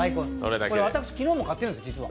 私、昨日も買ってるんです、実は。